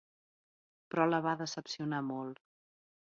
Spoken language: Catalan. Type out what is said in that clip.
Però la va decepcionar molt.